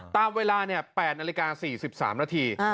ตามเวลา๘นาฬิกา๔๓นาที